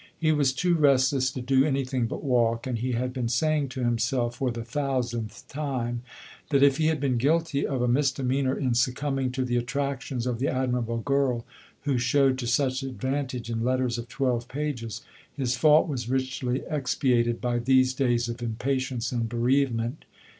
He was too restless to do anything but walk, and he had been saying to himself, for the thousandth time, that if he had been guilty of a misdemeanor in succumbing to the attractions of the admirable girl who showed to such advantage in letters of twelve pages, his fault was richly expiated by these days of impatience and bereavement.